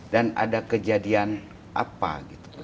dan ada kejadian apa gitu